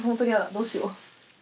どうしよう。